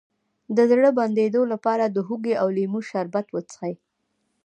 د زړه د بندیدو لپاره د هوږې او لیمو شربت وڅښئ